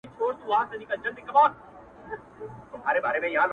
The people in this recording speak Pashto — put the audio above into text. غله راغله بې ارزښته شيان يې ټول يو وړل له كوره ـ